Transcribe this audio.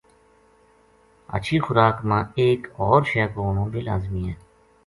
ہچھی خوراک ما ایک ہور شے کو ہونو بے لازمی